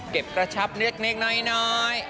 เก็บกระชับเน็กน้อย